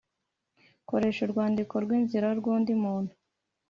gukoresha urwandiko rw’inzira rw’undi muntu